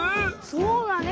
そうだね！